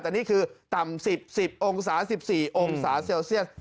แต่นี่คือต่ำ๑๐๑๐องศา๑๔องศาเซลเซียส